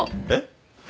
えっ？